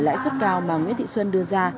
lãi suất cao mà nguyễn thị xuân đưa ra